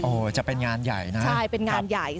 โอ้โฮจะเป็นงานใหญ่นะครับครับใช่เป็นงานใหญ่